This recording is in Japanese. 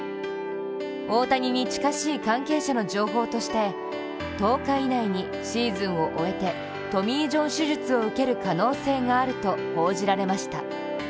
大谷に近しい関係者の情報として１０日以内にシーズンを終えてトミー・ジョン手術を受ける可能性があると報じられました。